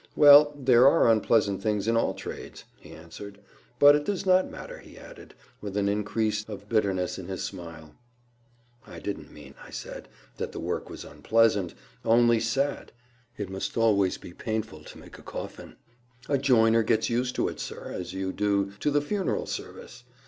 "Well, there are unpleasant things in all trades," he answered. "But it does not matter," he added, with an increase of bitterness in his smile. "I didn't mean," I said, "that the work was unpleasant—only sad. It must always be painful to make a coffin." "A joiner gets used to it, sir, as you do to the funeral service.